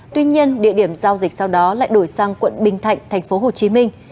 tuy nhiên địa điểm giao dịch sau đó lại đổi sang quận bình thạnh thành phố hồ chí minh